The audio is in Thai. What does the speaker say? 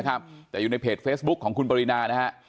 แต่อยู่ในเพจเฟซบุ๊คของคุณปรินานะฮะ